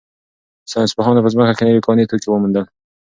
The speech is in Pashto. ساینس پوهانو په ځمکه کې نوي کاني توکي وموندل.